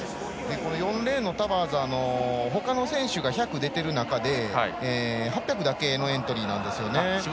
４レーンのタワーズはほかの選手が１００に出ている中８００だけのエントリーなんです。